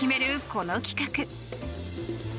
この企画。